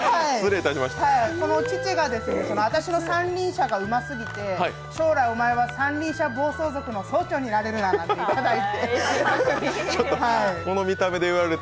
この父が私の三輪車がうますぎて、将来、おまえは三輪車暴走族の総長になれるななんて言ってくれて。